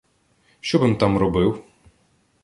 — Що би-м там робив?